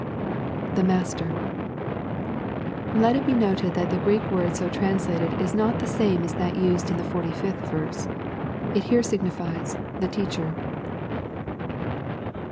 [The Master.] Let it be noted that the Greek word so translated is not the same as that used in the 45th verse. It here signifies " the Teacher."